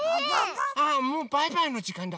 あっもうバイバイのじかんだ。